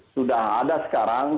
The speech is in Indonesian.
sudah ada sekarang